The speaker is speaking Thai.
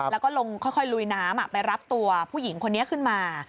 แล้วก็ลงค่อยลุยน้ำไปรับตัวผู้หญิงคนนี้ขึ้นมา